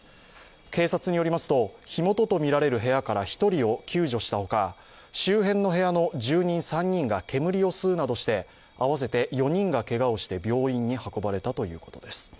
警察によりますと、火元とみられる部屋から１人を救助したほか、周辺の部屋の住人３人が煙を吸うなどして合わせて４人がけがをして、病院に運ばれたということです。